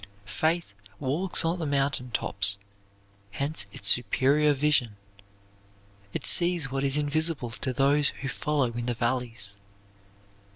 Faith walks on the mountain tops, hence its superior vision. It sees what is invisible to those who follow in the valleys.